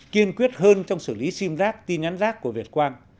kiên quyết hơn trong xử lý sim rác tin nhắn rác của việt quang